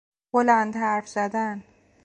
بلند حرف زدن